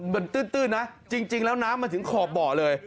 มันตื้นตื้นนะจริงจริงแล้วน้ำมันถึงขอบบ่อเลย